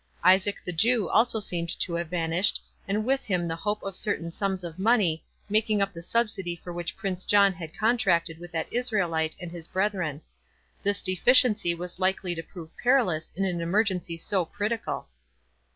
Isaac the Jew also seemed to have vanished, and with him the hope of certain sums of money, making up the subsidy for which Prince John had contracted with that Israelite and his brethren. This deficiency was likely to prove perilous in an emergency so critical.